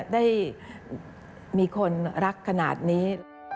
ได้มีคนรักขนาดนี้